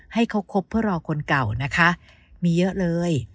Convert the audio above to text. ให้เขาคบเพื่อรอคนเก่านะคะมีเยอะเลย